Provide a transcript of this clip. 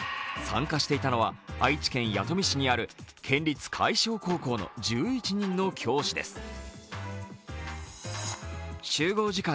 参加していたのは愛知県弥富市にある県立海翔高校の１１人の教師です。